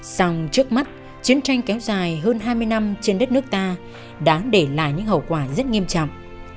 xong trước mắt chiến tranh kéo dài hơn hai mươi năm trên đất nước ta đã để lại những hậu quả rất nghiêm trọng